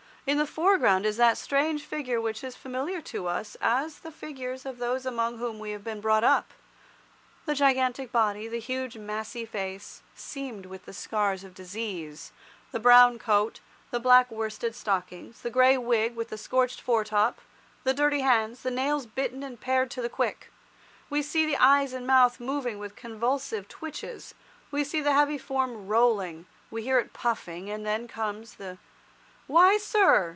In the foreground is that strange figure which is as familiar to us as the figures of those among whom we have been brought up—the gigantic body, the huge massy face, seamed with the scars of disease, the brown coat, the black worsted stockings, the grey wig with the scorched foretop, the dirty hands, the nails bitten and pared to the quick. We see the eyes and mouth moving with convulsive twitches; we see the heavy form rolling; we hear it puffing, and then comes the 'Why, sir!